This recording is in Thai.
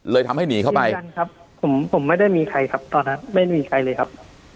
ทำให้หนีเข้าไปเหมือนกันครับผมผมไม่ได้มีใครครับตอนนั้นไม่มีใครเลยครับ